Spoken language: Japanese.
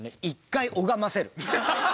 １回拝ませる。